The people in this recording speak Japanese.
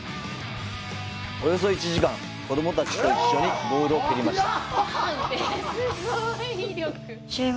およそ１時間、子供たちと一緒にボールを蹴りました。